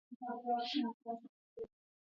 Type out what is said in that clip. It is also very famous for its Biryani.